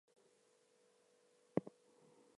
Whoever catches it is called King of the Calf.